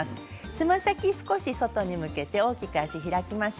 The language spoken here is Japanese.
つま先を少し外に向けて大きく足を開きます。